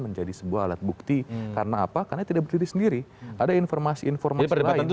menjadi sebuah alat bukti karena apa karena tidak berdiri sendiri ada informasi informasi lain